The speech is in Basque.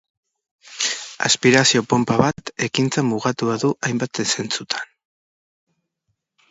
Aspirazio-ponpa bat ekintza mugatua du hainbat zentzutan.